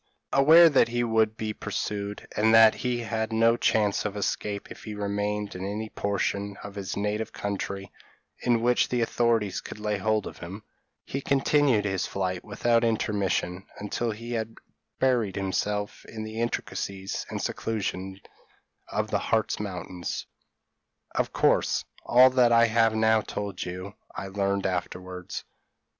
Aware that he would be pursued, and that he had no chance of escape if he remained in any portion of his native country (in which the authorities could lay hold of him), he continued his flight without intermission until he had buried himself in the intricacies and seclusion of the Hartz Mountains. Of course, all that I have now told you I learned afterwards.